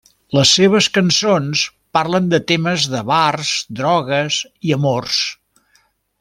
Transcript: Les seves cançons parlen de temes de bars, drogues i amors.